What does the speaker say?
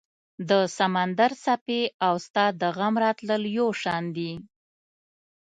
د سمندر څپې او ستا د غم راتلل یو شان دي